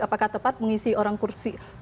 apakah tepat mengisi kursi